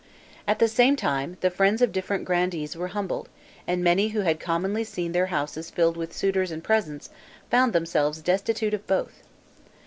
At the same time, the friends of different grandees were humbled; and many who had commonly seen their houses filled with suitors and presents, found themselves destitute of both.